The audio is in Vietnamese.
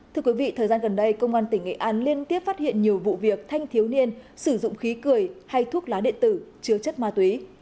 thưa quý vị thời gian gần đây công an tỉnh nghệ an liên tiếp phát hiện nhiều vụ việc thanh thiếu niên sử dụng khí cười hay thuốc lá điện tử chứa chất ma túy